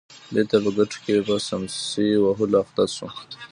بېرته په کټوې کې په څمڅۍ وهلو اخته شو.